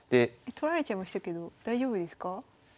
取られちゃいましたけど大丈夫ですか？